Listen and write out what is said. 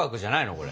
これ。